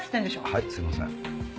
はいすいません。